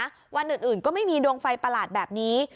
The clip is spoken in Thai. วันอื่นก็ไม่มีดวงไฟประหลาดแบบนี้